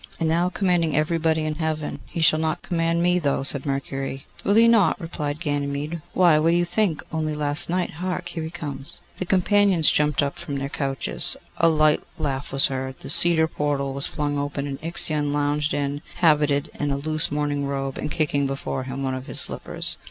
'And now commanding everybody in Heaven.' 'He shall not command me, though,' said Mercury. 'Will he not?' replied Ganymede. 'Why, what do you think? only last night; hark! here he comes.' The companions jumped up from their couches; a light laugh was heard. The cedar portal was flung open, and Ixion lounged in, habited in a loose morning robe, and kicking before him one of his slippers.